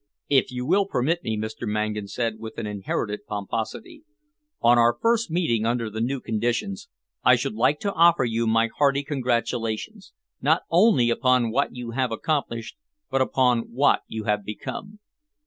"If you will permit me," Mr. Mangan said, with an inherited pomposity, "on our first meeting under the new conditions, I should like to offer you my hearty congratulations, not only upon what you have accomplished but upon what you have become."